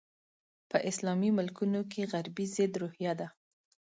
په اسلامي ملکونو کې غربي ضد روحیه ده.